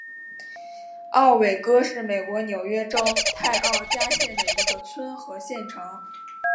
奥韦戈是美国纽约州泰奥加县的一个村和县城。